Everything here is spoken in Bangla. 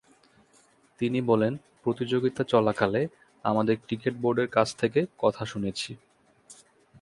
তিনি বলেন, 'প্রতিযোগিতা চলাকালে আমাদের ক্রিকেট বোর্ডের কাছ থেকে কথা শুনেছি।